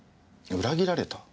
裏切られた？